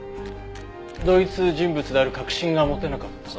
同一人物である確信が持てなかったと？